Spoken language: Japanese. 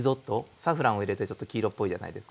サフランを入れてちょっと黄色っぽいじゃないですか。